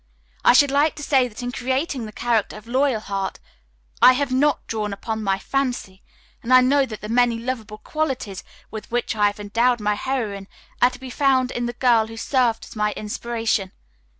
I should like to say that in creating the character of 'Loyalheart' I have not drawn upon my fancy, and I know that the many lovable qualities with which I have endowed my heroine are to be found in the girl who served as my inspiration.